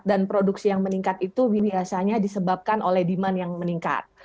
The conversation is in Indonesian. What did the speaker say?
dan produksi yang meningkat itu biasanya disebabkan oleh demand yang meningkat